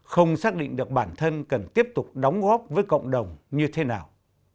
không xác định được bản thân cần tiếp tục đóng góp với cộng đồng như thế nào